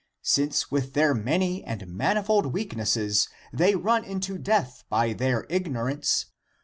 Since with their many and manifold weaknesses they run into death by their ignorance.